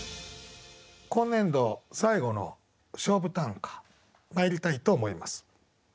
今年度最後の勝負短歌まいりたいと思います。